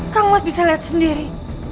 kang mas bisa lihat sendiri